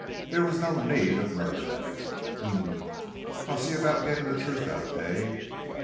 There was no need of murder. Hum! I'll see about getting the truth out of Hay.